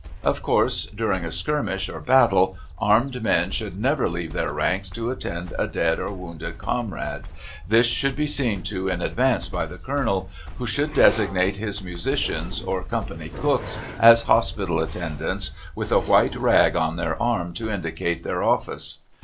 Of course, during a skirmish or battle, armed men should never leave their ranks to attend a dead or wounded comrade this should be seen to in advance by the colonel, who should designate his musicians or company cooks as hospital attendants, with a white rag on their arm to indicate their office.